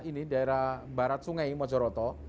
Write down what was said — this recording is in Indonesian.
ini daerah barat sungai mojoroto